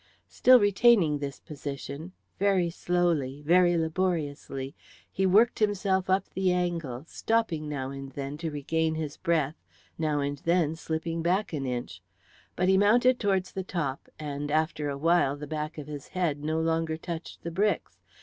Still retaining this position, very slowly, very laboriously, he worked himself up the angle, stopping now and then to regain his breath, now and then slipping back an inch. But he mounted towards the top, and after a while the back of his head no longer touched the bricks.